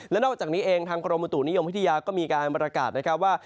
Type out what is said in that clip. และนอกจากนี้เองทางกรมบุตุนิยมวิทยาก็มีการประกาศนะครับว่า